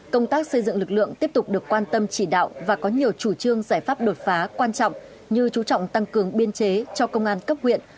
công tác xây dựng lực lượng tiếp tục được quan tâm chỉ đạo và có nhiều chủ trương giải pháp đột phá quan trọng như chú trọng tăng cường biên chế cho công an cấp huyện